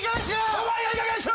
お前がいいかげんにしろ！